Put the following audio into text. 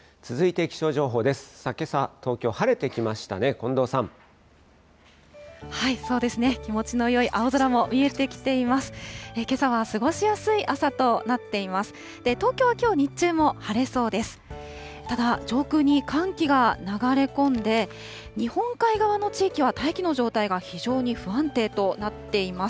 そうですね、気持ちのよい青空も見えてきています。